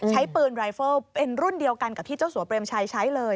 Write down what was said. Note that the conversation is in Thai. ใช้ปืนรายเฟิลเป็นรุ่นเดียวกันกับที่เจ้าสัวเปรมชัยใช้เลย